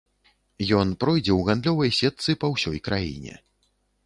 Ён пройдзе ў гандлёвай сетцы па ўсёй краіне.